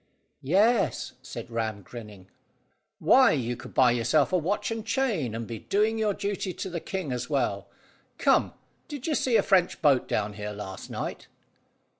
"Yes," said Ram grinning. "Why, you could buy yourself a watch and chain, and be doing your duty to the king as well. Come, did you see a French boat down here last night?"